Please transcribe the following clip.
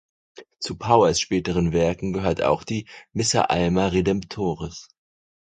Zu Powers späten Werken gehört auch die "Missa Alma redemptoris".